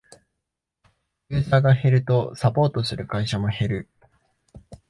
ユーザーが減るとサポートする会社も減る